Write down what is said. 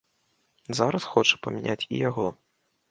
Зараз хоча памяняць і яго.